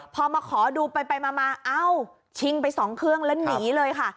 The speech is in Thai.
พอมาขอดูไปมาเอ้าชิงไปสองเครื่องแล้วหนีเลยค่ะ